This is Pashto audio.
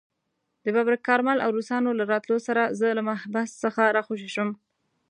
د ببرک کارمل او روسانو له راتلو سره زه له محبس څخه راخوشي شوم.